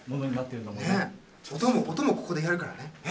音もここでやるからね。